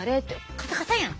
カサカサやん！